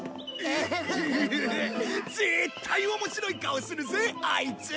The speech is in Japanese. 絶対面白い顔するぜアイツ。